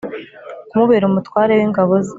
kumubera umutware w’ingabo ze